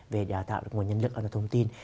về đào tạo được nguồn nhân lực an toàn thông tin